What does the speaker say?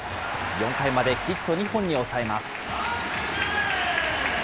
４回までヒット２本に抑えます。